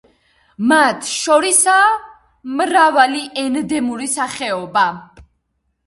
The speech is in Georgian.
მათ შორისაა მრავალი ენდემური სახეობა.